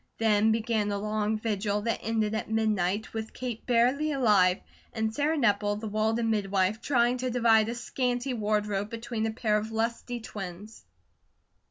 Then began a long vigil that ended at midnight with Kate barely alive and Sarah Nepple, the Walden mid wife, trying to divide a scanty wardrobe between a pair of lusty twins.